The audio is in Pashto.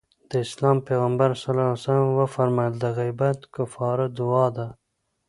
د اسلام پيغمبر ص وفرمايل د غيبت کفاره دعا ده.